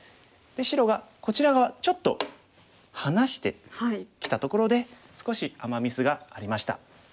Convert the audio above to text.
白がこちら側ちょっと離してきたところで少しアマ・ミスがありました。